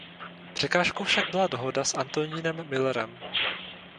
Překážkou však byla dohoda s Antonínem Müllerem.